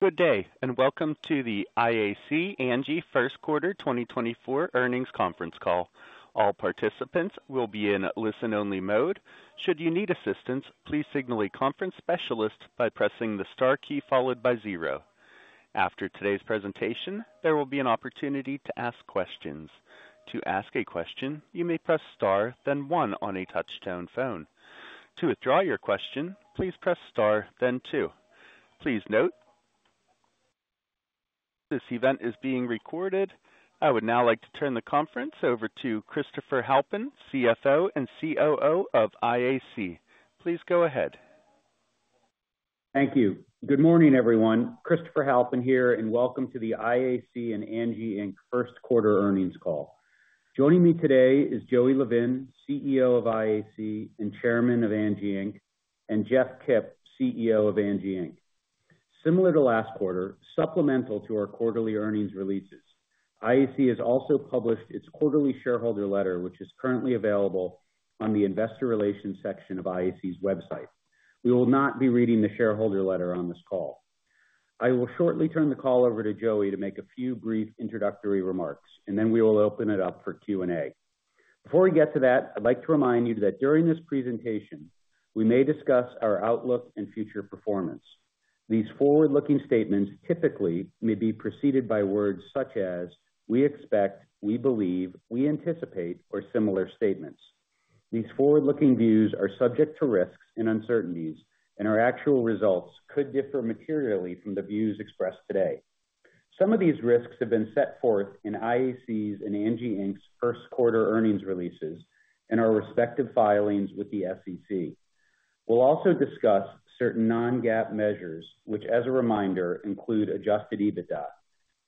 Good day, and welcome to the IAC Angi First Quarter 2024 Earnings Conference Call. All participants will be in listen-only mode. Should you need assistance, please signal a conference specialist by pressing the star key followed by zero. After today's presentation, there will be an opportunity to ask questions. To ask a question, you may press star, then one on a touch-tone phone. To withdraw your question, please press star, then two. Please note, this event is being recorded. I would now like to turn the conference over to Christopher Halpin, CFO and COO of IAC. Please go ahead. Thank you. Good morning, everyone. Christopher Halpin here, and welcome to The IAC and Angi Inc. First Quarter Earnings Call. Joining me today is Joey Levin, CEO of IAC and Chairman of Angi Inc., and Jeff Kipp, CEO of Angi Inc. Similar to last quarter, supplemental to our quarterly earnings releases, IAC has also published its quarterly shareholder letter, which is currently available on the investor relations section of IAC's website. We will not be reading the shareholder letter on this call. I will shortly turn the call over to Joey to make a few brief introductory remarks, and then we will open it up for Q&A. Before we get to that, I'd like to remind you that during this presentation, we may discuss our outlook and future performance. These forward-looking statements typically may be preceded by words such as: we expect, we believe, we anticipate, or similar statements. These forward-looking views are subject to risks and uncertainties, and our actual results could differ materially from the views expressed today. Some of these risks have been set forth in IAC's and Angi Inc.'s first quarter earnings releases and our respective filings with the SEC. We'll also discuss certain non-GAAP measures, which, as a reminder, include Adjusted EBITDA,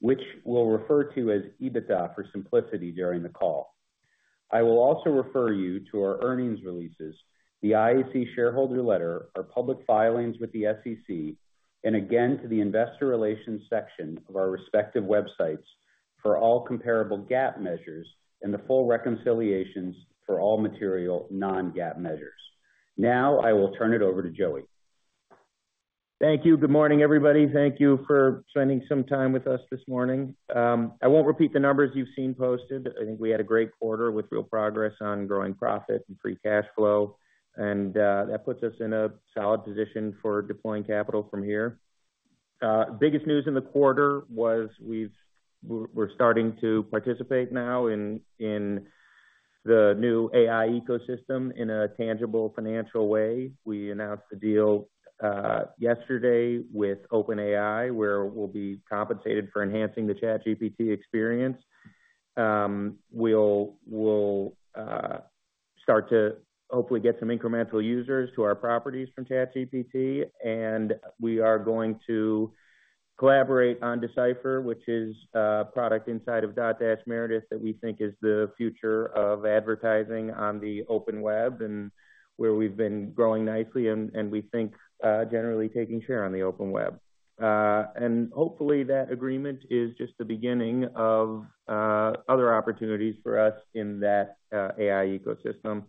which we'll refer to as EBITDA for simplicity during the call. I will also refer you to our earnings releases, the IAC shareholder letter, our public filings with the SEC, and again, to the investor relations section of our respective websites for all comparable GAAP measures and the full reconciliations for all material non-GAAP measures. Now, I will turn it over to Joey. Thank you. Good morning, everybody. Thank you for spending some time with us this morning. I won't repeat the numbers you've seen posted. I think we had a great quarter with real progress on growing profit and free cash flow, and that puts us in a solid position for deploying capital from here. Biggest news in the quarter was we're starting to participate now in the new AI ecosystem in a tangible financial way. We announced the deal yesterday with OpenAI, where we'll be compensated for enhancing the ChatGPT experience. We'll start to hopefully get some incremental users to our properties from ChatGPT, and we are going to collaborate on D/Cipher, which is a product inside of Dotdash Meredith that we think is the future of advertising on the open web and where we've been growing nicely and we think generally taking share on the open web. And hopefully, that agreement is just the beginning of other opportunities for us in that AI ecosystem.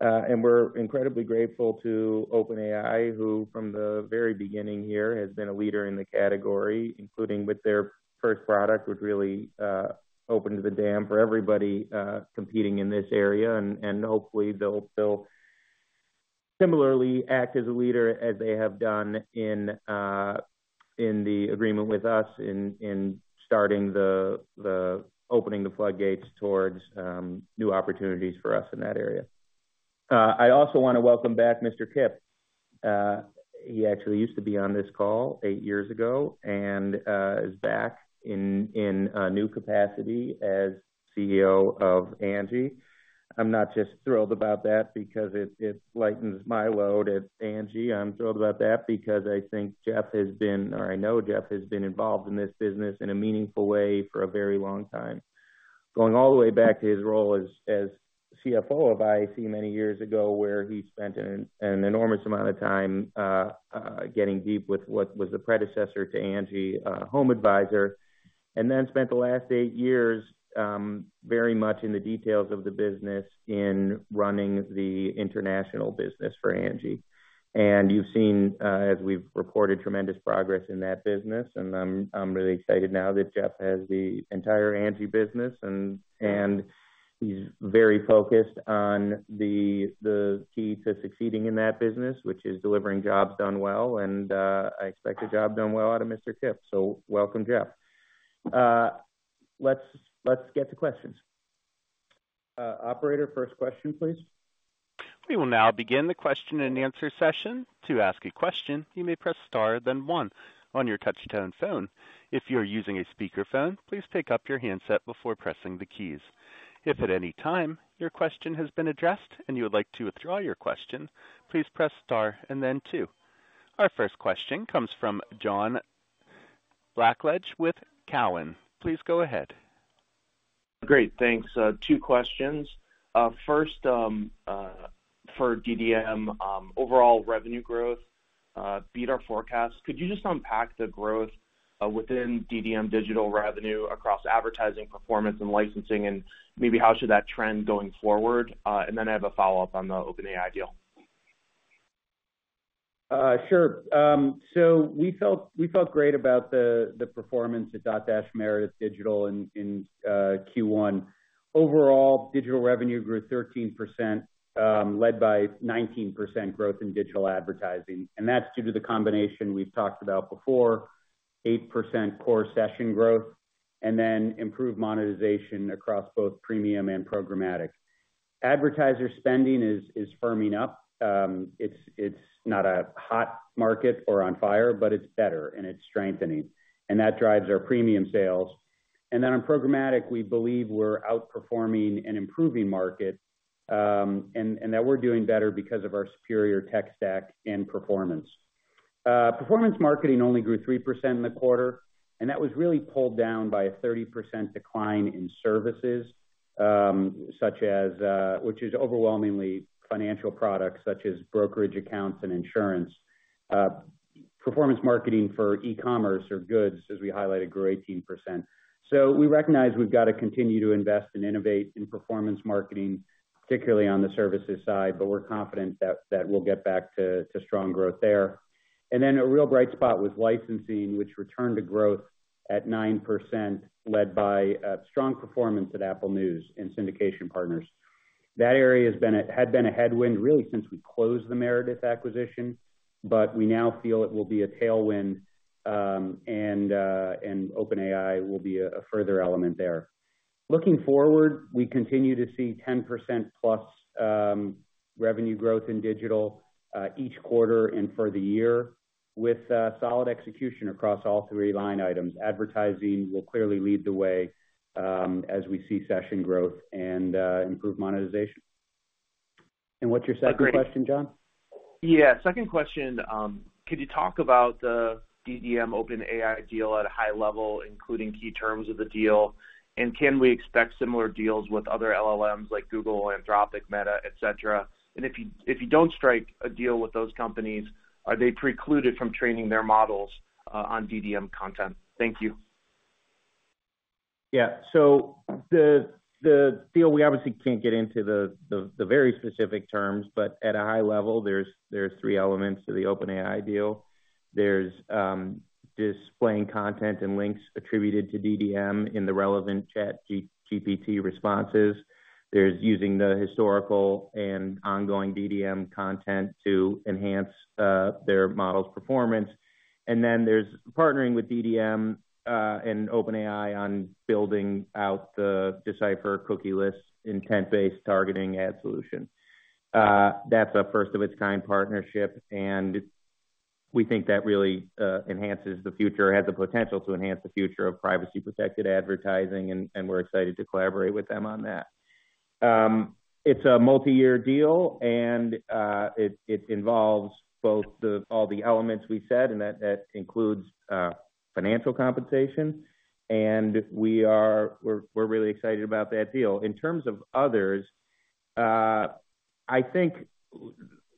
And we're incredibly grateful to OpenAI, who, from the very beginning here, has been a leader in the category, including with their first product, which really opened the dam for everybody competing in this area. And hopefully, they'll still similarly act as a leader as they have done in the agreement with us in starting the opening the floodgates towards, new opportunities for us in that area. I also want to welcome back Mr. Kipp. He actually used to be on this call eight years ago and, is back in a new capacity as CEO of Angi. I'm not just thrilled about that because it lightens my load at Angi. I'm thrilled about that because I think Jeff has been, or I know Jeff has been involved in this business in a meaningful way for a very long time. Going all the way back to his role as CFO of IAC many years ago, where he spent an enormous amount of time, getting deep with what was the predecessor to Angi, HomeAdvisor, and then spent the last eight years, very much in the details of the business in running the international business for Angi. And you've seen, as we've reported, tremendous progress in that business, and I'm really excited now that Jeff has the entire Angi business, and he's very focused on the key to succeeding in that business, which is delivering jobs done well, and I expect a job done well out of Mr. Kipp. So welcome, Jeff. Let's get to questions. Operator, first question, please. We will now begin the question-and-answer session. To ask a question, you may press star, then one on your touch-tone phone. If you are using a speakerphone, please pick up your handset before pressing the keys. If at any time your question has been addressed and you would like to withdraw your question, please press star and then two. Our first question comes from John Blackledge with Cowen. Please go ahead. Great, thanks. Two questions. First, for DDM, overall revenue growth beat our forecast. Could you just unpack the growth within DDM digital revenue across advertising, performance, and licensing, and maybe how should that trend going forward? And then I have a follow-up on the OpenAI deal. Sure. So we felt great about the performance at Dotdash Meredith Digital in Q1. Overall, digital revenue grew 13%, led by 19% growth in digital advertising, and that's due to the combination we've talked about before, 8% core session growth and then improved monetization across both premium and programmatic. Advertiser spending is firming up. It's not a hot market or on fire, but it's better, and it's strengthening, and that drives our premium sales. And then on programmatic, we believe we're outperforming an improving market, and that we're doing better because of our superior tech stack and performance. Performance marketing only grew 3% in the quarter, and that was really pulled down by a 30% decline in services, such as which is overwhelmingly financial products, such as brokerage accounts and insurance. Performance marketing for e-commerce or goods, as we highlighted, grew 18%. So we recognize we've got to continue to invest and innovate in performance marketing, particularly on the services side, but we're confident that we'll get back to strong growth there. And then a real bright spot was licensing, which returned to growth at 9%, led by strong performance at Apple News and syndication partners. That area had been a headwind, really, since we closed the Meredith acquisition, but we now feel it will be a tailwind, and OpenAI will be a further element there. Looking forward, we continue to see 10%+ revenue growth in digital each quarter and for the year, with solid execution across all three line items. Advertising will clearly lead the way, as we see session growth and improved monetization. What's your second question, John? Yeah, second question. Could you talk about the DDM OpenAI deal at a high level, including key terms of the deal, and can we expect similar deals with other LLMs, like Google, Anthropic, Meta, et cetera? And if you don't strike a deal with those companies, are they precluded from training their models on DDM content? Thank you. Yeah. So the deal, we obviously can't get into the very specific terms, but at a high level, there are three elements to the OpenAI deal. There's displaying content and links attributed to DDM in the relevant ChatGPT responses. There's using the historical and ongoing DDM content to enhance their model's performance. And then there's partnering with DDM and OpenAI on building out the D/Cipher cookieless, intent-based targeting ad solution. That's a first of its kind partnership, and we think that really enhances the future or has the potential to enhance the future of privacy-protected advertising, and we're excited to collaborate with them on that. It's a multiyear deal, and it involves all the elements we said, and that includes financial compensation, and we're really excited about that deal. In terms of others, I think...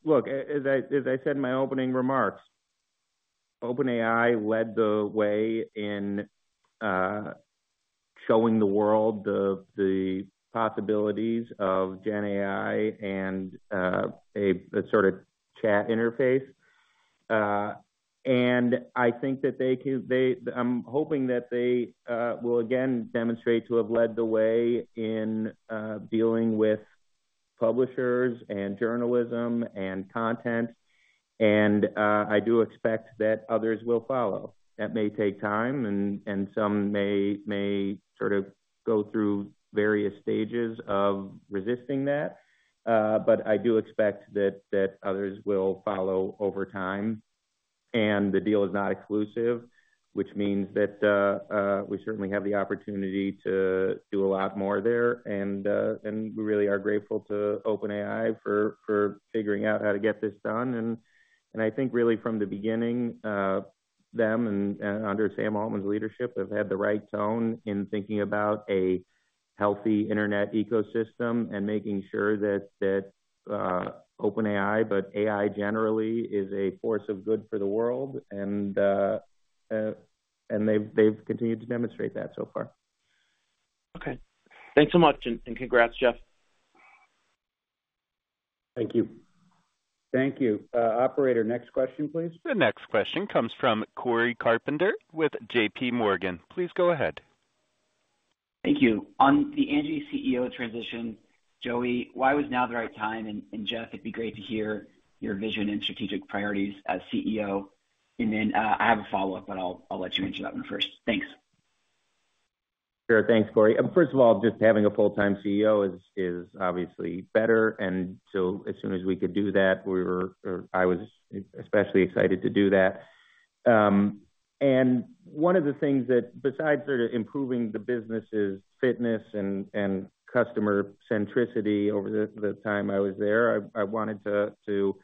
Look, as I said in my opening remarks, OpenAI led the way in showing the world the possibilities of GenAI and a sort of chat interface. And I think that they can, I'm hoping that they will again demonstrate to have led the way in dealing with publishers and journalism and content, and I do expect that others will follow. That may take time, and some may sort of go through various stages of resisting that, but I do expect that others will follow over time. And the deal is not exclusive, which means that we certainly have the opportunity to do a lot more there, and we really are grateful to OpenAI for figuring out how to get this done. I think really from the beginning, them and under Sam Altman's leadership, have had the right tone in thinking about a healthy internet ecosystem and making sure that OpenAI, but AI generally, is a force of good for the world, and they've continued to demonstrate that so far. Okay. Thanks so much, and congrats, Jeff. Thank you. Thank you. Operator, next question, please. The next question comes from Cory Carpenter with JPMorgan. Please go ahead. Thank you. On the Angi CEO transition, Joey, why was now the right time? And Jeff, it'd be great to hear your vision and strategic priorities as CEO. And then, I have a follow-up, but I'll let you answer that one first. Thanks. Sure. Thanks, Cory. First of all, just having a full-time CEO is obviously better, and so as soon as we could do that, we were. I was especially excited to do that. And one of the things that, besides sort of improving the business' fitness and customer centricity over the time I was there, I wanted to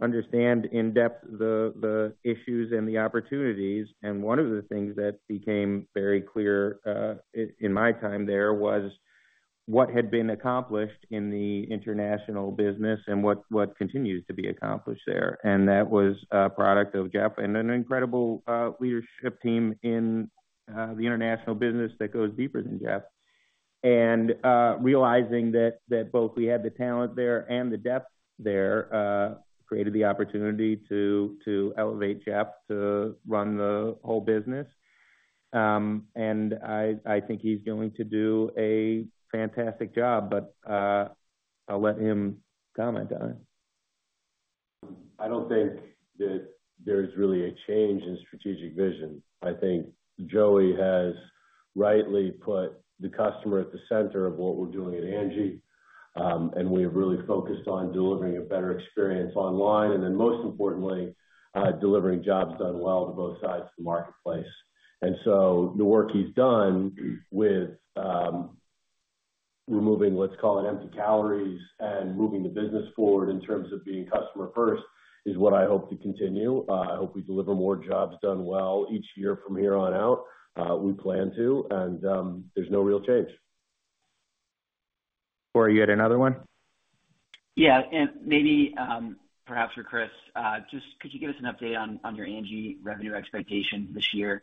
understand in depth the issues and the opportunities. And one of the things that became very clear in my time there was,, what had been accomplished in the international business and what, what continues to be accomplished there. That was a product of Jeff and an incredible leadership team in the international business that goes deeper than Jeff. Realizing that both we had the talent there and the depth there created the opportunity to elevate Jeff to run the whole business. I think he's going to do a fantastic job, but I'll let him comment on it. I don't think that there's really a change in strategic vision. I think Joey has rightly put the customer at the center of what we're doing at Angi, and we have really focused on delivering a better experience online, and then most importantly, delivering jobs done well to both sides of the marketplace. And so the work he's done with, removing, let's call it empty calories and moving the business forward in terms of being customer first, is what I hope to continue. I hope we deliver more jobs done well each year from here on out. We plan to, and, there's no real change. Cory, you had another one? Yeah, and maybe, perhaps for Chris, just could you give us an update on, on your Angi revenue expectation this year,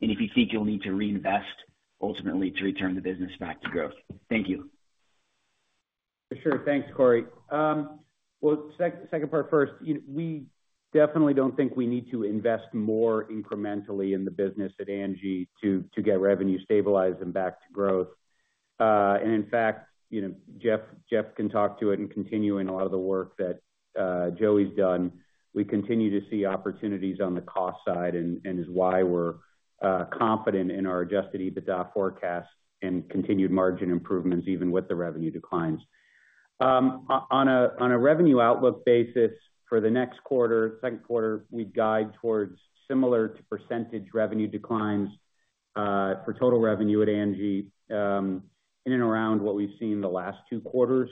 and if you think you'll need to reinvest ultimately to return the business back to growth? Thank you. For sure. Thanks, Cory. Well, second part first. You know, we definitely don't think we need to invest more incrementally in the business at Angi to get revenue stabilized and back to growth. And in fact, you know, Jeff, Jeff can talk to it and continuing a lot of the work that Joey's done. We continue to see opportunities on the cost side and is why we're confident in our Adjusted EBITDA forecast and continued margin improvements, even with the revenue declines. On a revenue outlook basis for the next quarter, second quarter, we guide towards similar to percentage revenue declines for total revenue at Angi, in and around what we've seen in the last two quarters,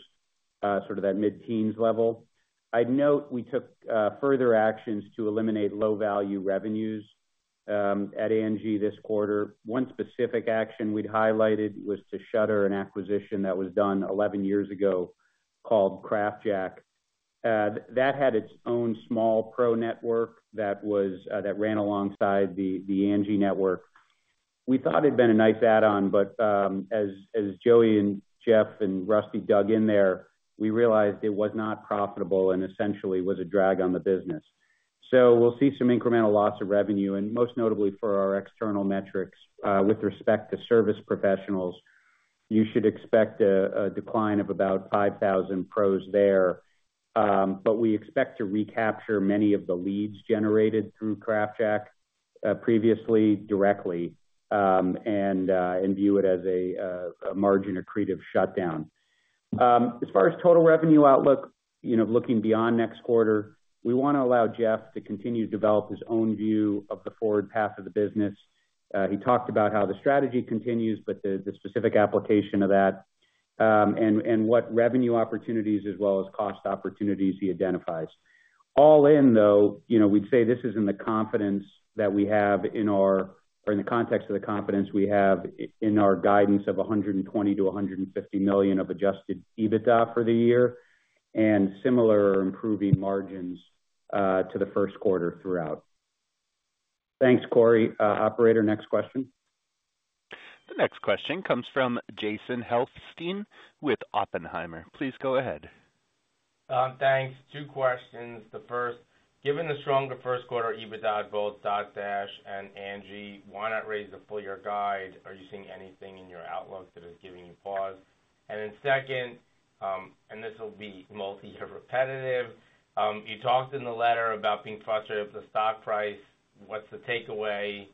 sort of that mid-teens level. I'd note we took further actions to eliminate low-value revenues at Angi this quarter. One specific action we'd highlighted was to shutter an acquisition that was done 11 years ago called CraftJack. That had its own small pro network that ran alongside the Angi network. We thought it'd been a nice add-on, but as Joey and Jeff and Rusty dug in there, we realized it was not profitable and essentially was a drag on the business. So we'll see some incremental loss of revenue, and most notably for our external metrics with respect to service professionals, you should expect a decline of about 5,000 pros there. But we expect to recapture many of the leads generated through CraftJack previously directly and view it as a margin accretive shutdown. As far as total revenue outlook, you know, looking beyond next quarter, we wanna allow Jeff to continue to develop his own view of the forward path of the business. He talked about how the strategy continues, but the specific application of that, and what revenue opportunities as well as cost opportunities he identifies. All in, though, you know, we'd say this is in the context of the confidence we have in our guidance of $100 million-$150 million of Adjusted EBITDA for the year, and similar improving margins to the first quarter throughout. Thanks, Cory. Operator, next question. The next question comes from Jason Helfstein with Oppenheimer. Please go ahead. Thanks. Two questions. The first, given the stronger first quarter EBITDA, both Dotdash and Angi, why not raise the full year guide? Are you seeing anything in your outlook that is giving you pause? And then second, and this will be multi-year repetitive. You talked in the letter about being frustrated with the stock price. What's the takeaway?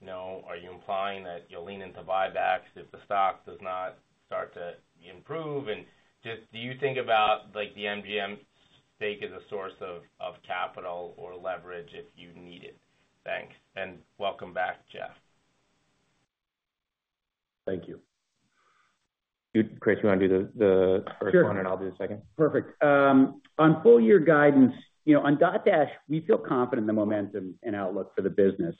You know, are you implying that you'll lean into buybacks if the stock does not start to improve? And just, do you think about, like, the MGM stake as a source of capital or leverage if you need it? Thanks, and welcome back, Jeff. Thank you. Dude, Chris, you wanna do the first one? Sure. And I'll do the second? Perfect. On full year guidance, you know, on Dotdash, we feel confident in the momentum and outlook for the business.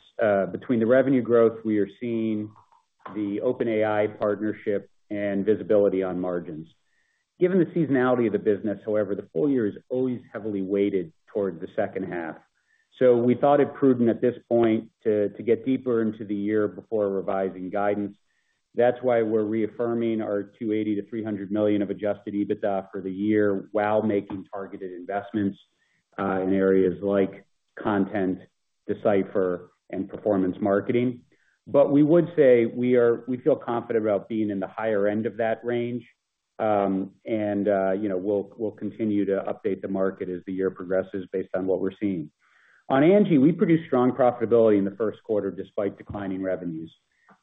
Between the revenue growth we are seeing, the OpenAI partnership and visibility on margins. Given the seasonality of the business, however, the full year is always heavily weighted towards the second half. So we thought it prudent at this point to get deeper into the year before revising guidance. That's why we're reaffirming our $280 million-$300 million of Adjusted EBITDA for the year, while making targeted investments in areas like content, D/Cipher and performance marketing. But we would say, we are, we feel confident about being in the higher end of that range. You know, we'll continue to update the market as the year progresses based on what we're seeing. On Angi, we produced strong profitability in the first quarter, despite declining revenues.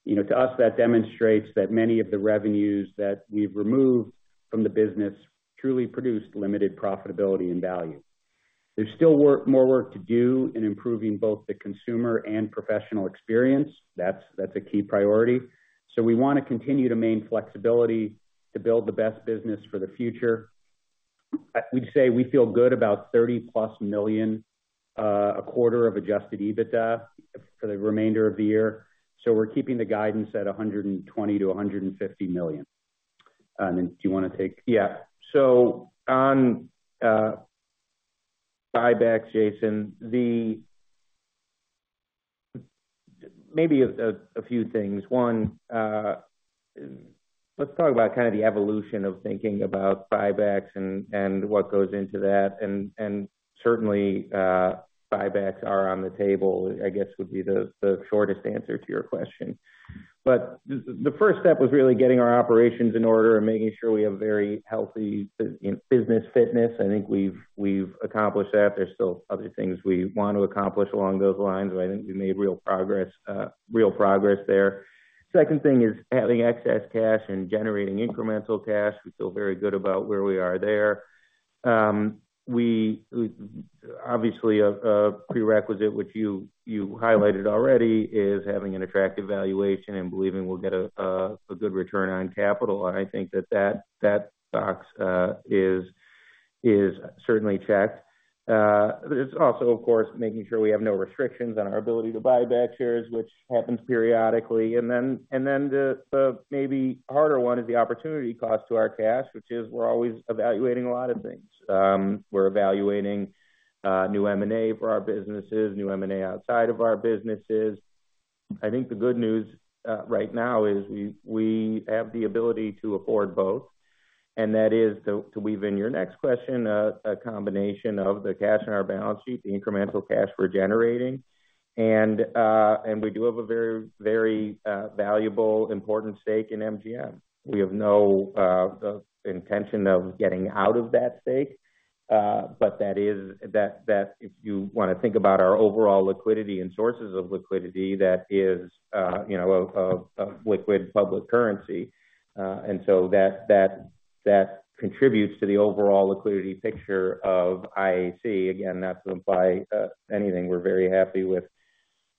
You know, to us, that demonstrates that many of the revenues that we've removed from the business truly produced limited profitability and value. There's still work, more work to do in improving both the consumer and professional experience. That's a key priority. So we wanna continue to maintain flexibility to build the best business for the future. I, we'd say we feel good about $30+ million, a quarter of Adjusted EBITDA for the remainder of the year. So we're keeping the guidance at $120 million-$150 million. And do you wanna take? Yeah. So on, buybacks, Jason, maybe a few things. One, let's talk about kind of the evolution of thinking about buybacks and, and what goes into that. And, and certainly, buybacks are on the table, I guess, would be the, the shortest answer to your question. But the, the first step was really getting our operations in order and making sure we have very healthy business fitness. I think we've, we've accomplished that. There's still other things we want to accomplish along those lines, but I think we made real progress, real progress there. Second thing is having excess cash and generating incremental cash. We feel very good about where we are there. Obviously, a prerequisite, which you highlighted already, is having an attractive valuation and believing we'll get a good return on capital, and I think that box is certainly checked. It's also, of course, making sure we have no restrictions on our ability to buy back shares, which happens periodically. And then the maybe harder one is the opportunity cost to our cash, which is we're always evaluating a lot of things. We're evaluating new M&A for our businesses, new M&A outside of our businesses. I think the good news, right now is we have the ability to afford both, and that is, to weave in your next question, a combination of the cash on our balance sheet, the incremental cash we're generating. And we do have a very, very valuable, important stake in MGM. We have no intention of getting out of that stake, but that is... That if you wanna think about our overall liquidity and sources of liquidity, that is, you know, a liquid public currency. And so that contributes to the overall liquidity picture of IAC. Again, not to imply anything. We're very happy with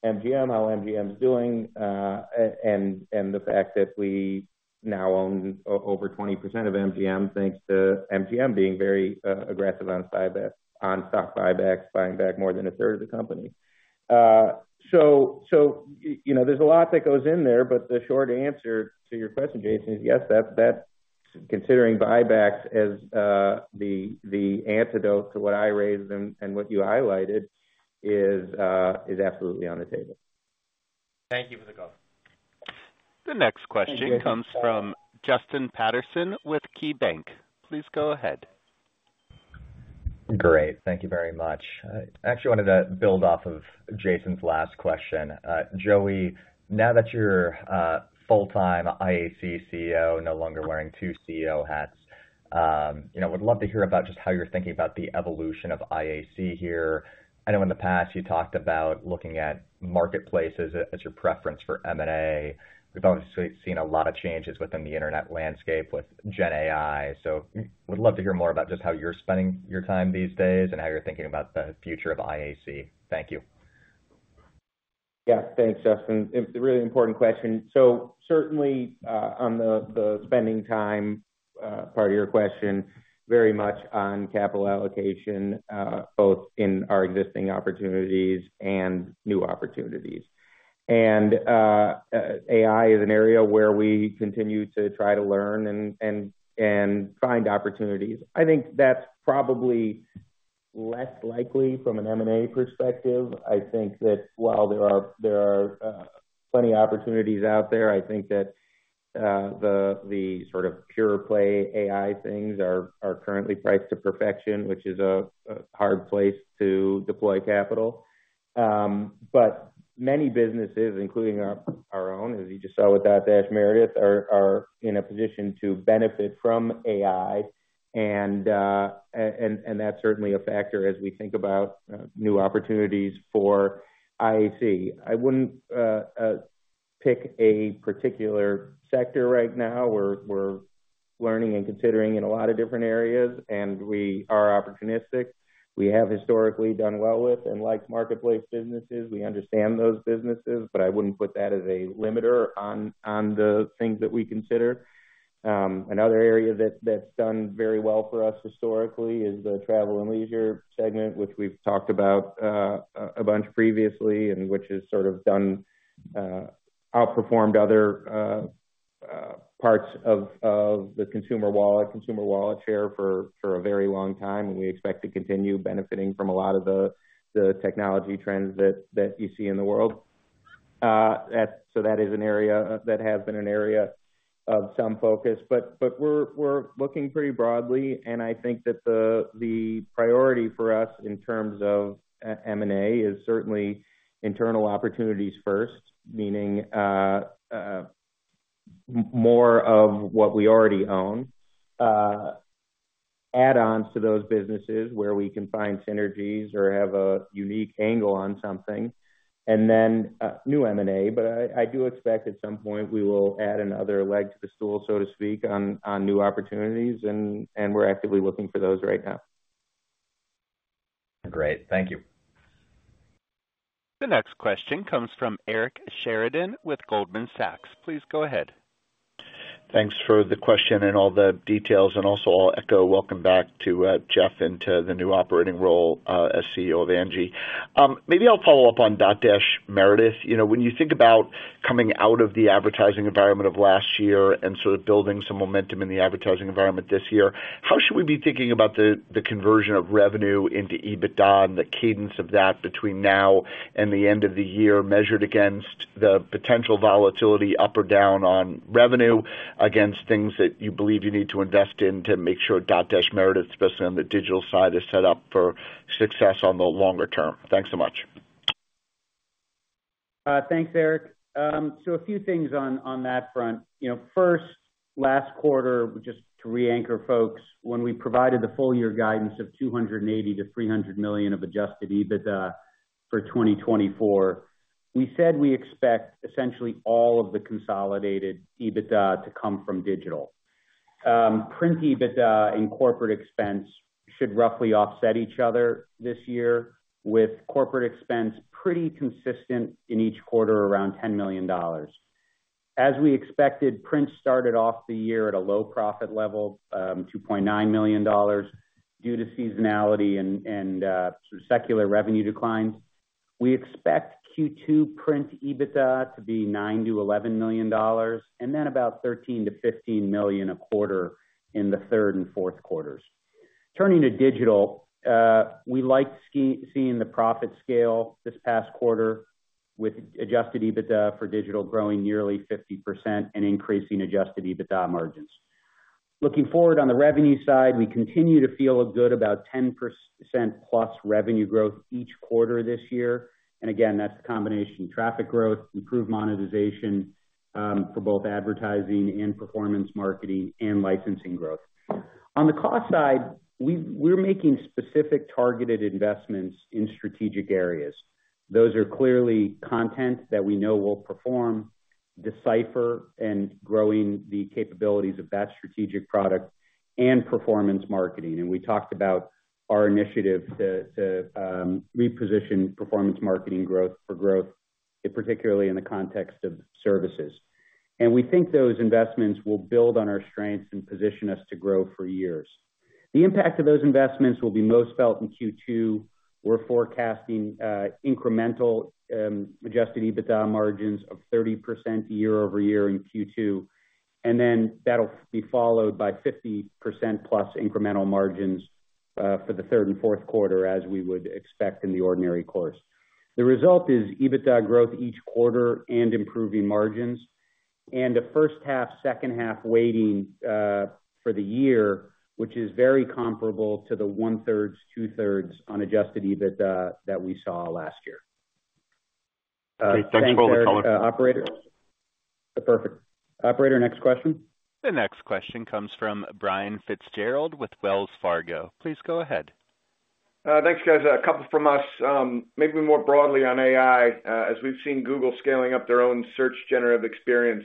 MGM, how MGM's doing, and the fact that we now own over 20% of MGM, thanks to MGM being very aggressive on buybacks, on stock buybacks, buying back more than a third of the company. So, you know, there's a lot that goes in there, but the short answer to your question, Jason, is yes, that considering buybacks as the antidote to what I raised and what you highlighted is absolutely on the table. Thank you for the call. The next question comes from Justin Patterson with KeyBanc. Please go ahead. Great. Thank you very much. I actually wanted to build off of Jason's last question. Joey, now that you're a full-time IAC CEO, no longer wearing two CEO hats, you know, would love to hear about just how you're thinking about the evolution of IAC here. I know in the past, you talked about looking at marketplaces as your preference for M&A. We've obviously seen a lot of changes within the internet landscape with GenAI, so would love to hear more about just how you're spending your time these days and how you're thinking about the future of IAC. Thank you. Yeah, thanks, Justin. It's a really important question. So certainly, on the spending time part of your question, very much on capital allocation, both in our existing opportunities and new opportunities. AI is an area where we continue to try to learn and find opportunities. I think that's probably less likely from an M&A perspective. I think that while there are plenty of opportunities out there, I think that the sort of pure play AI things are currently priced to perfection, which is a hard place to deploy capital. But many businesses, including our own, as you just saw with Dotdash Meredith, are in a position to benefit from AI, and that's certainly a factor as we think about new opportunities for IAC. I wouldn't pick a particular sector right now. We're learning and considering in a lot of different areas, and we are opportunistic. We have historically done well with and like marketplace businesses. We understand those businesses, but I wouldn't put that as a limiter on the things that we consider. Another area that's done very well for us historically is the travel and leisure segment, which we've talked about a bunch previously, and which has sort of done outperformed other parts of the consumer wallet, consumer wallet share for a very long time, and we expect to continue benefiting from a lot of the technology trends that you see in the world. So that is an area that has been an area of some focus. But we're looking pretty broadly, and I think that the priority for us in terms of M&A is certainly internal opportunities first, meaning more of what we already own, add-ons to those businesses where we can find synergies or have a unique angle on something, and then new M&A. But I do expect at some point we will add another leg to the stool, so to speak, on new opportunities, and we're actively looking for those right now. Great. Thank you. The next question comes from Eric Sheridan with Goldman Sachs. Please go ahead. Thanks for the question and all the details, and also I'll echo welcome back to Jeff into the new operating role as CEO of Angi. Maybe I'll follow up on Dotdash Meredith. You know, when you think about coming out of the advertising environment of last year and sort of building some momentum in the advertising environment this year, how should we be thinking about the conversion of revenue into EBITDA and the cadence of that between now and the end of the year, measured against the potential volatility, up or down, on revenue, against things that you believe you need to invest in to make sure Dotdash Meredith, especially on the digital side, is set up for success on the longer term? Thanks so much. Thanks, Eric. So a few things on that front. You know, first, last quarter, just to re-anchor folks, when we provided the full year guidance of $280 million-$300 million of Adjusted EBITDA for 2024, we said we expect essentially all of the consolidated EBITDA to come from digital. Print EBITDA and corporate expense should roughly offset each other this year, with corporate expense pretty consistent in each quarter, around $10 million. As we expected, print started off the year at a low profit level, $2.9 million, due to seasonality and sort of secular revenue declines. We expect Q2 print EBITDA to be $9 million-$11 million, and then about $13 million-$15 million a quarter in the third and fourth quarters. Turning to digital, we like seeing the profit scale this past quarter, with Adjusted EBITDA for digital growing nearly 50% and increasing Adjusted EBITDA margins. Looking forward on the revenue side, we continue to feel good about 10%+ revenue growth each quarter this year. And again, that's a combination of traffic growth, improved monetization, for both advertising and performance marketing, and licensing growth. On the cost side, we're making specific targeted investments in strategic areas. Those are clearly content that we know will perform, D/Cipher and growing the capabilities of that strategic product and performance marketing. And we talked about our initiative to reposition performance marketing growth for growth, particularly in the context of services. And we think those investments will build on our strengths and position us to grow for years. The impact of those investments will be most felt in Q2. We're forecasting incremental Adjusted EBITDA margins of 30% year-over-year in Q2, and then that'll be followed by 50%+ incremental margins for the third and fourth quarter, as we would expect in the ordinary course. The result is EBITDA growth each quarter and improving margins, and a first half, second half weighting for the year, which is very comparable to the one-third, two-thirds on Adjusted EBITDA that we saw last year. Operator? Perfect. Operator, next question. The next question comes from Brian Fitzgerald with Wells Fargo. Please go ahead. Thanks, guys. A couple from us. Maybe more broadly on AI, as we've seen Google scaling up their own Search Generative Experience,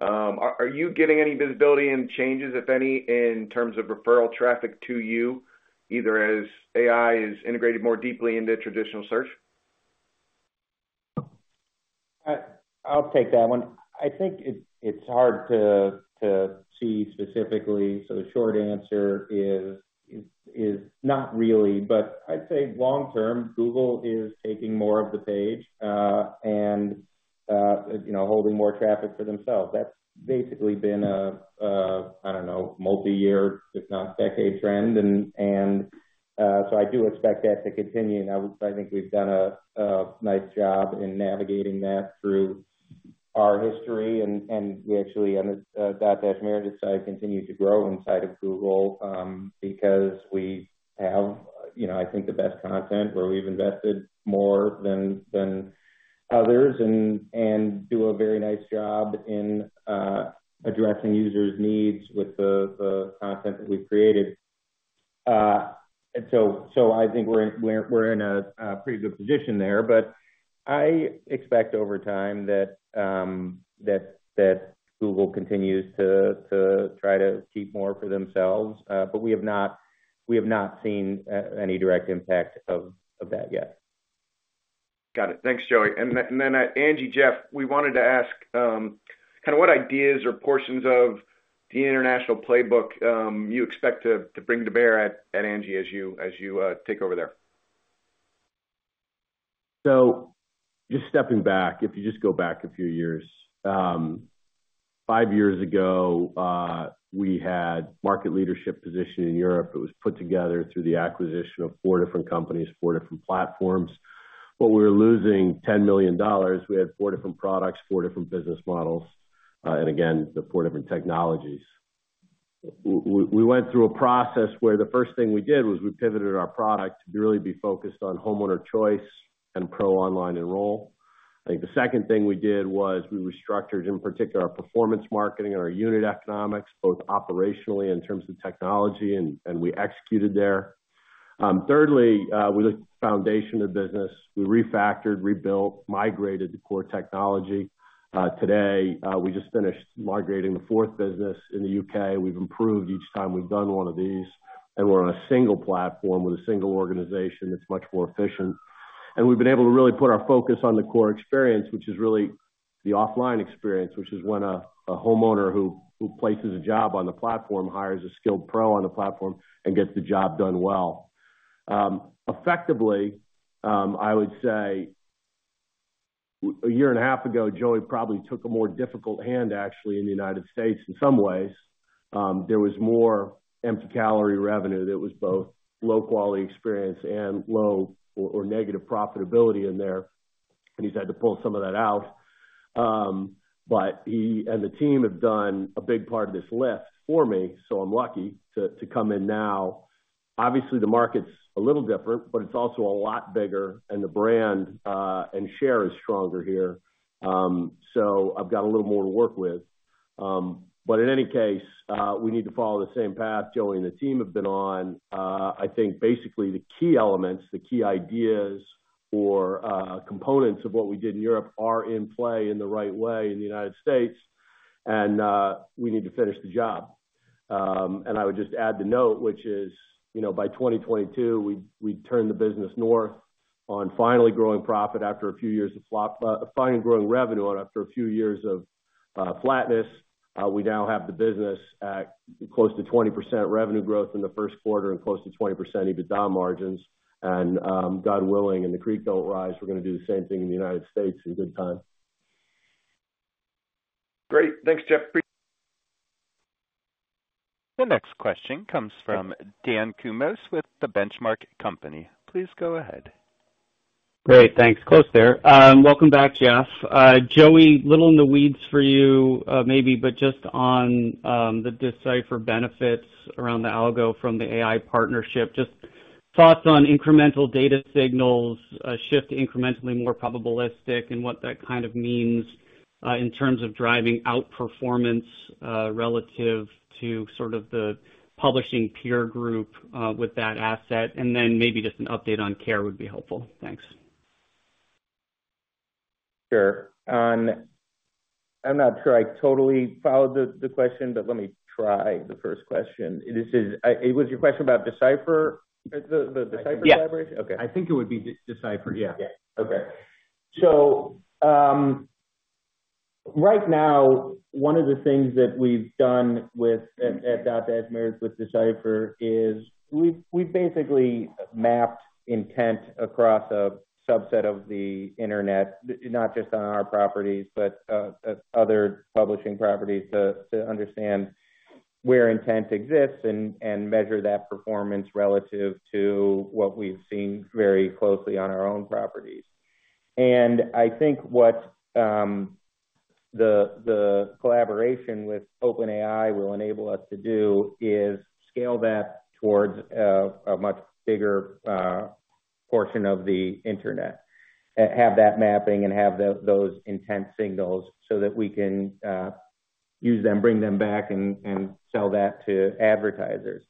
are you getting any visibility and changes, if any, in terms of referral traffic to you, either as AI is integrated more deeply into traditional search? I'll take that one. I think it's hard to see specifically, so the short answer is not really. But I'd say long term, Google is taking more of the page, and, you know, holding more traffic for themselves. That's basically been a I don't know, multi-year, if not decade, trend and so I do expect that to continue. Now, I think we've done a nice job in navigating that through our history, and we actually, on the Dotdash Meredith side, continue to grow inside of Google, because we have, you know, I think, the best content, where we've invested more than others and do a very nice job in addressing users' needs with the content that we've created. And so, I think we're in a pretty good position there, but I expect over time that Google continues to try to keep more for themselves. But we have not seen any direct impact of that yet. Got it. Thanks, Joey. And then, Angi, Jeff, we wanted to ask kind of what ideas or portions of the international playbook you expect to bring to bear at Angi, as you take over there? So just stepping back, if you just go back a few years. Five years ago, we had market leadership position in Europe. It was put together through the acquisition of four different companies, four different platforms. But we were losing $10 million. We had four different products, four different business models, and again, the four different technologies. We went through a process where the first thing we did was we pivoted our product to really be focused on homeowner choice and pro online enroll. I think the second thing we did was we restructured, in particular, our performance marketing and our unit economics, both operationally in terms of technology, and we executed there. Thirdly, we looked at the foundation of business. We refactored, rebuilt, migrated to core technology. Today, we just finished migrating the fourth business in the U.K. We've improved each time we've done one of these, and we're on a single platform with a single organization that's much more efficient. And we've been able to really put our focus on the core experience, which is really the offline experience, which is when a homeowner who places a job on the platform, hires a skilled pro on the platform and gets the job done well. Effectively, I would say, a year and a half ago, Joey probably took a more difficult hand, actually, in the United States in some ways. There was more empty calorie revenue that was both low quality experience and low or negative profitability in there, and he's had to pull some of that out. But he and the team have done a big part of this lift for me, so I'm lucky to come in now. Obviously, the market's a little different, but it's also a lot bigger, and the brand and share is stronger here. So I've got a little more to work with. But in any case, we need to follow the same path Joey and the team have been on. I think basically the key elements, the key ideas or components of what we did in Europe are in play in the right way in the United States, and we need to finish the job. And I would just add the note, which is, you know, by 2022, we turned the business around on finally growing revenue after a few years of flatness. We now have the business at close to 20% revenue growth in the first quarter and close to 20% EBITDA margins. And God willing, and the creek don't rise, we're gonna do the same thing in the United States in good time. Great. Thanks, Jeff, appreciate- The next question comes from Dan Kurnos with The Benchmark Company. Please go ahead. Great, thanks. Close there. Welcome back, Jeff. Joey, little in the weeds for you, maybe, but just on the D/Cipher benefits around the algo from the AI partnership, just thoughts on incremental data signals, shift incrementally more probabilistic, and what that kind of means in terms of driving out performance relative to sort of the publishing peer group with that asset, and then maybe just an update on Care would be helpful. Thanks. Sure. On I'm not sure I totally followed the, the question, but let me try the first question. This is, was your question about D/Cipher? The, the D/Cipher collaboration? Yeah. Okay. I think it would be D/Cipher, yeah. Yeah. Okay. So, right now, one of the things that we've done with, at Dotdash Meredith with D/Cipher is we've basically mapped intent across a subset of the internet, not just on our properties, but other publishing properties, to understand where intent exists and measure that performance relative to what we've seen very closely on our own properties. And I think what the collaboration with OpenAI will enable us to do is scale that towards a much bigger portion of the internet. Have that mapping and have those intent signals so that we can use them, bring them back, and sell that to advertisers.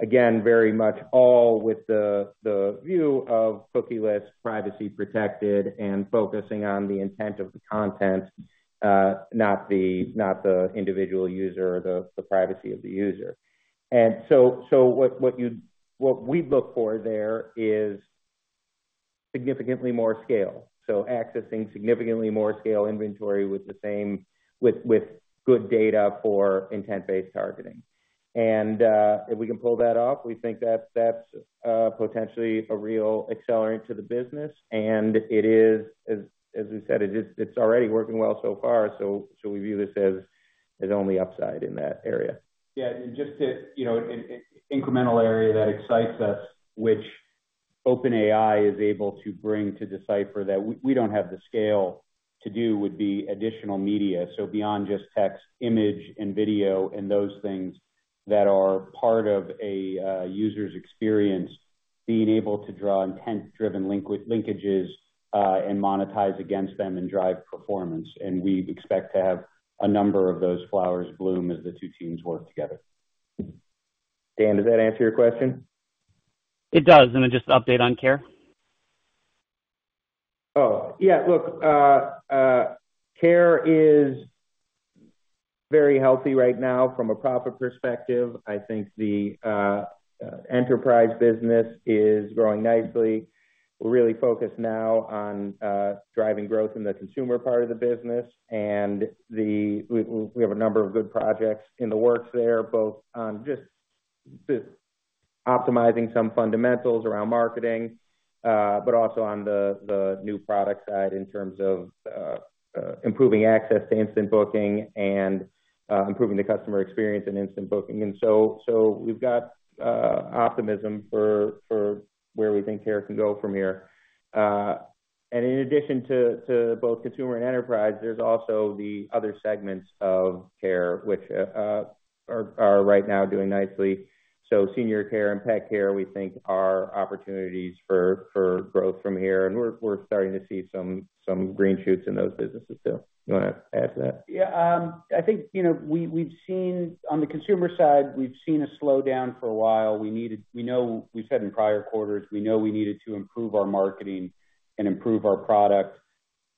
Again, very much all with the view of cookieless, privacy protected, and focusing on the intent of the content, not the individual user or the privacy of the user. And so what we look for there is significantly more scale, so accessing significantly more scale inventory with the same, with good data for intent-based targeting. And if we can pull that off, we think that's potentially a real accelerant to the business. And it is, as we said, it is already working well so far, so we view this as only upside in that area. Yeah, and just to, you know, in incremental area that excites us, which OpenAI is able to bring to D/Cipher, that we don't have the scale to do, would be additional media. So beyond just text, image and video, and those things that are part of a user's experience, being able to draw intent-driven linkages, and monetize against them and drive performance. And we expect to have a number of those flowers bloom as the two teams work together. Dan, does that answer your question? It does. And then just update on Care? Oh, yeah. Look, Care is very healthy right now from a profit perspective. I think the enterprise business is growing nicely. We're really focused now on driving growth in the consumer part of the business, and we have a number of good projects in the works there, both on just optimizing some fundamentals around marketing, but also on the new product side in terms of improving access to instant booking and improving the customer experience in instant booking. And so we've got optimism for where we think Care can go from here. And in addition to both consumer and enterprise, there's also the other segments of Care which are right now doing nicely. So senior care and pet care, we think, are opportunities for growth from here, and we're starting to see some green shoots in those businesses too. You want to add to that? Yeah. I think, you know, we, we've seen... On the consumer side, we've seen a slowdown for a while. We needed—we know, we've said in prior quarters, we know we needed to improve our marketing and improve our product.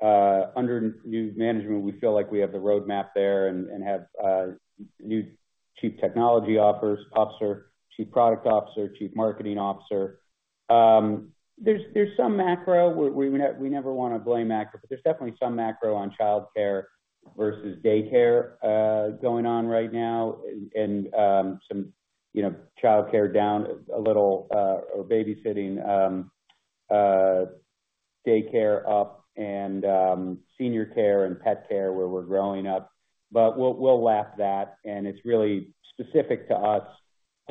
Under new management, we feel like we have the roadmap there and, and have new Chief Technology Officer, Chief Product Officer, Chief Marketing Officer. There's some macro. We never wanna blame macro, but there's definitely some macro on childcare versus day care going on right now. And some, you know, childcare down a little, or babysitting, day care up and senior care and pet care, where we're growing up. But we'll lap that, and it's really specific to us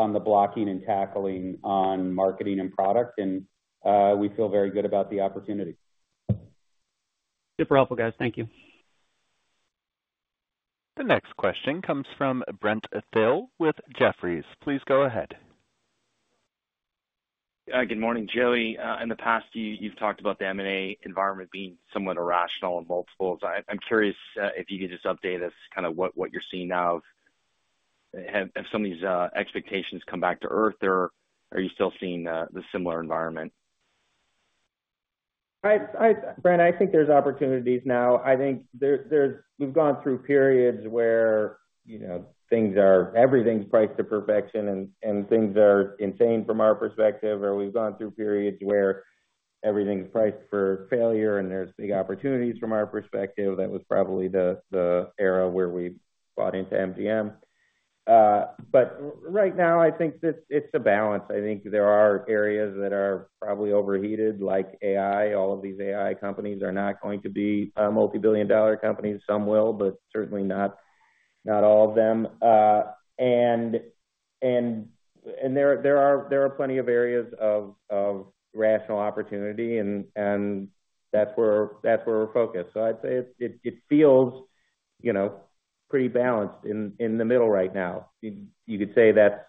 on the blocking and tackling on marketing and product, and we feel very good about the opportunity. Super helpful, guys. Thank you. The next question comes from Brent Thill with Jefferies. Please go ahead. Good morning, Joey. In the past, you've talked about the M&A environment being somewhat irrational in multiples. I'm curious if you could just update us, kinda what you're seeing now. Have some of these expectations come back to earth, or are you still seeing the similar environment? Brent, I think there's opportunities now. I think there's we've gone through periods where, you know, things are everything's priced to perfection, and things are insane from our perspective. Or we've gone through periods where everything's priced for failure, and there's the opportunities from our perspective. That was probably the era where we bought into MGM. But right now, I think it's a balance. I think there are areas that are probably overheated, like AI. All of these AI companies are not going to be multi-billion dollar companies. Some will, but certainly not all of them. And there are plenty of areas of rational opportunity, and that's where we're focused. So I'd say it feels, you know, pretty balanced in the middle right now. You could say that's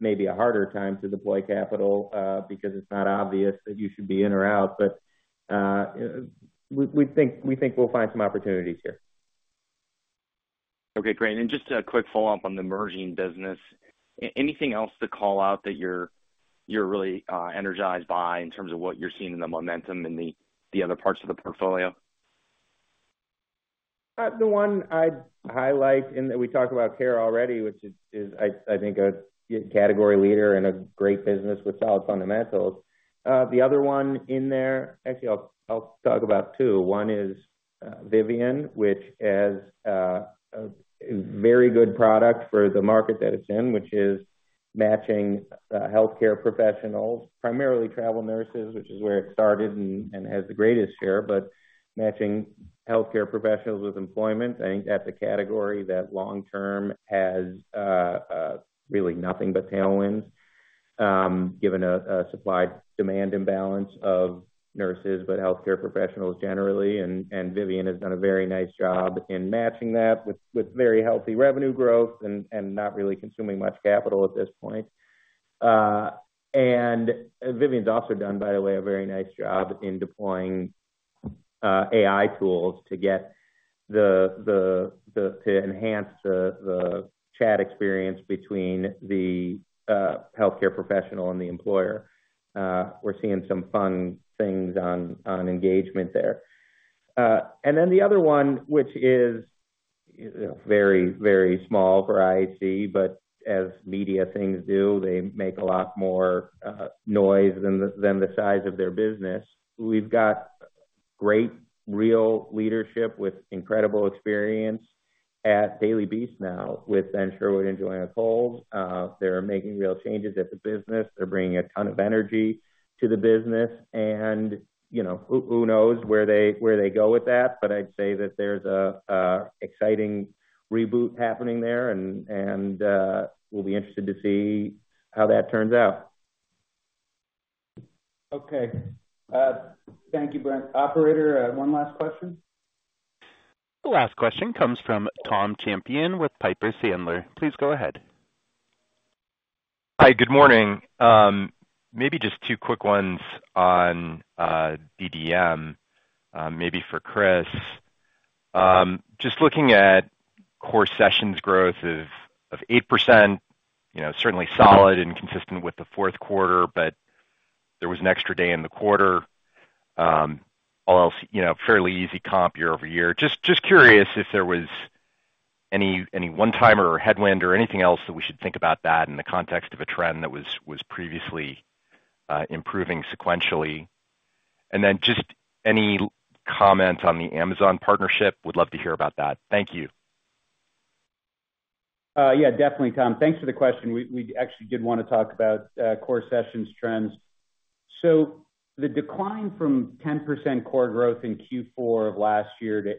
maybe a harder time to deploy capital, because it's not obvious that you should be in or out. But we think we'll find some opportunities here. Okay, great. And just a quick follow-up on the emerging business. Anything else to call out that you're really energized by in terms of what you're seeing in the momentum in the other parts of the portfolio? The one I'd highlight, and we talked about Care already, which is, I think, a category leader and a great business with solid fundamentals. The other one in there. Actually, I'll talk about two. One is Vivian, which has a very good product for the market that it's in, which is matching healthcare professionals, primarily travel nurses, which is where it started and has the greatest share, but matching healthcare professionals with employment. I think that's a category that long term has really nothing but tailwinds, given a supply-demand imbalance of nurses, but healthcare professionals generally. And Vivian has done a very nice job in matching that with very healthy revenue growth and not really consuming much capital at this point. And Vivian's also done, by the way, a very nice job in deploying AI tools to get the to enhance the chat experience between the healthcare professional and the employer. We're seeing some fun things on engagement there. And then the other one, which is very, very small for IAC, but as media things do, they make a lot more noise than the size of their business. We've got great, real leadership with incredible experience at Daily Beast now with Ben Sherwood and Joanna Coles. They're making real changes at the business. They're bringing a ton of energy to the business, and you know, who knows where they go with that? But I'd say that there's a exciting reboot happening there, and we'll be interested to see how that turns out. Okay. Thank you, Brent. Operator, one last question? The last question comes from Tom Champion with Piper Sandler. Please go ahead. Hi, good morning. Maybe just two quick ones on DDM, maybe for Chris. Just looking at core sessions growth of 8%, you know, certainly solid and consistent with the fourth quarter, but there was an extra day in the quarter. All else, you know, fairly easy comp year-over-year. Just curious if there was any one-timer or headwind or anything else that we should think about that in the context of a trend that was previously improving sequentially? And then just any comment on the Amazon partnership, would love to hear about that. Thank you. Yeah, definitely, Tom. Thanks for the question. We actually did wanna talk about core sessions trends. So the decline from 10% core growth in Q4 of last year to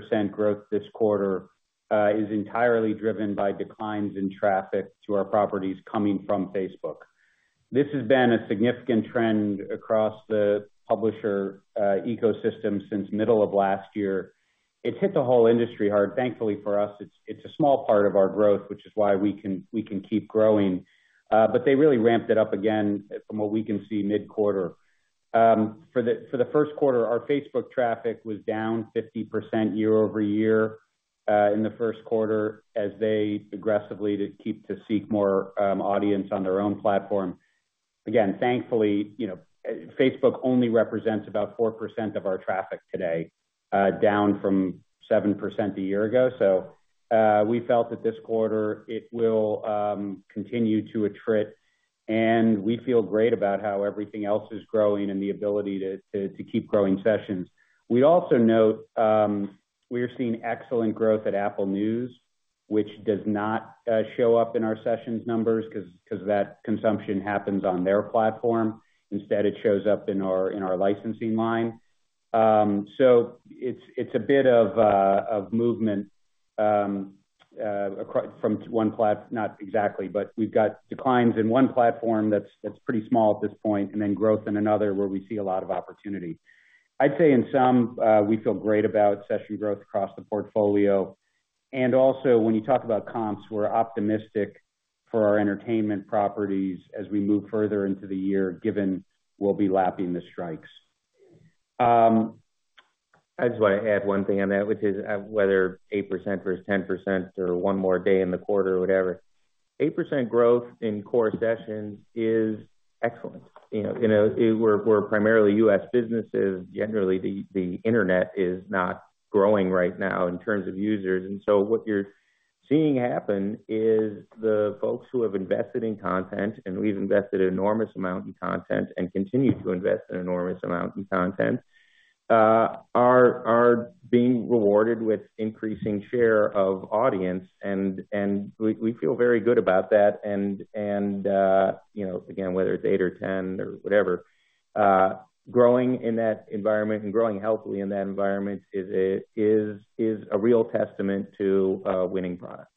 8% growth this quarter is entirely driven by declines in traffic to our properties coming from Facebook. This has been a significant trend across the publisher ecosystem since middle of last year. It hit the whole industry hard. Thankfully for us, it's a small part of our growth, which is why we can keep growing. But they really ramped it up again from what we can see mid-quarter. For the first quarter, our Facebook traffic was down 50% year-over-year in the first quarter, as they aggressively seek more audience on their own platform. Again, thankfully, you know, Facebook only represents about 4% of our traffic today, down from 7% a year ago. So, we felt that this quarter, it will continue to attrite, and we feel great about how everything else is growing and the ability to keep growing sessions. We also note, we are seeing excellent growth at Apple News, which does not show up in our sessions numbers 'cause that consumption happens on their platform. Instead, it shows up in our licensing line. So it's a bit of movement from one platform. Not exactly, but we've got declines in one platform that's pretty small at this point, and then growth in another where we see a lot of opportunity. I'd say in sum, we feel great about session growth across the portfolio. And also, when you talk about comps, we're optimistic for our entertainment properties as we move further into the year, given we'll be lapping the strikes. I just wanna add one thing on that, which is whether 8% versus 10% or one more day in the quarter or whatever. 8% growth in core sessions is excellent. You know, you know, we're primarily U.S. businesses. Generally, the internet is not growing right now in terms of users. And so what you're seeing happen is the folks who have invested in content, and we've invested an enormous amount in content and continue to invest an enormous amount in content, are being rewarded with increasing share of audience. And, you know, again, whether it's 8 or 10 or whatever, growing in that environment and growing healthily in that environment is a real testament to a winning product.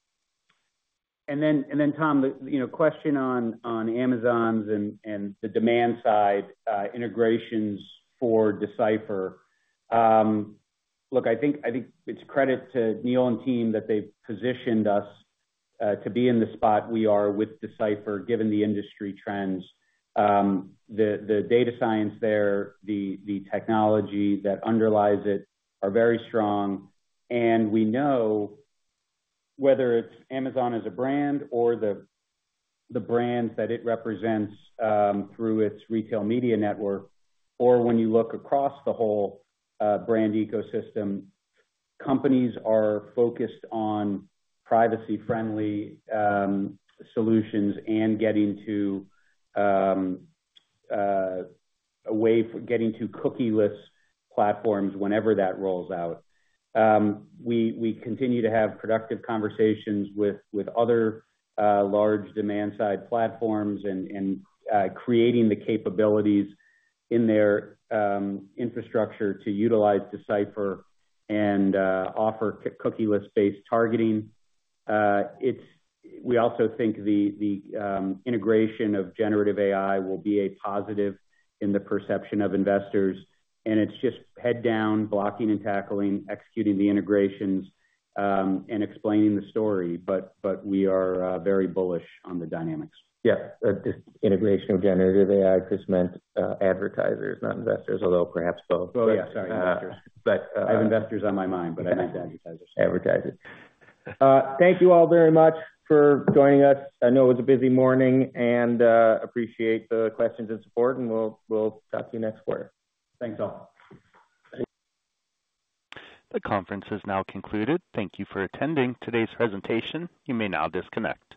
Then, Tom, you know, the question on Amazon's and the demand-side integrations for D/Cipher. Look, I think it's credit to Neil and team that they've positioned us to be in the spot we are with D/Cipher, given the industry trends. The data science there, the technology that underlies it are very strong, and we know whether it's Amazon as a brand or the brands that it represents through its retail media network, or when you look across the whole brand ecosystem, companies are focused on privacy-friendly solutions and getting to a way for getting to cookieless platforms whenever that rolls out. We continue to have productive conversations with other large demand-side platforms and creating the capabilities in their infrastructure to utilize D/Cipher and offer cookieless based targeting. We also think the integration of generative AI will be a positive in the perception of investors, and it's just head down, blocking and tackling, executing the integrations and explaining the story. But we are very bullish on the dynamics. Yeah, just integration of generative AI just meant advertisers, not investors, although perhaps both. Oh, yeah, sorry, advertisers. But, uh. I have investors on my mind, but I meant advertisers. Advertisers. Thank you all very much for joining us. I know it was a busy morning, and appreciate the questions and support, and we'll, we'll talk to you next quarter. Thanks, all. The conference is now concluded. Thank you for attending today's presentation. You may now disconnect.